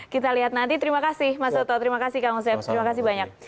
kita lihat nanti terima kasih mas soto terima kasih kang usep terima kasih banyak